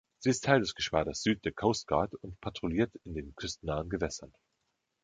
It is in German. Sie ist Teil des Geschwaders Süd der Coast Guard und patrouilliert in den küstennahen Gewässern.